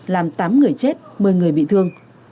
làm tám người chết một mươi người bị thương